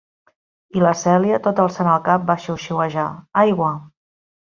I la Celia, tot alçant el cap, va xiuxiuejar: "Aigua!".